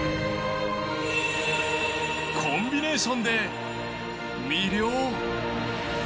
コンビネーションで魅了。